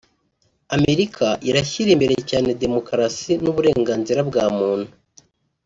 Amerika irashyira imbere cyane demokarasi n’uburenganzira bwa muntu